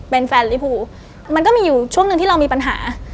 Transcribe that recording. เป็นแฟนลิภูมันก็มีอยู่ช่วงหนึ่งที่เรามีปัญหา